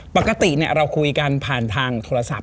ปกติเราคุยกันผ่านทางโทรศัพท์